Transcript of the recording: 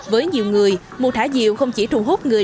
với nhiều người mùa thả diều không chỉ thu hút người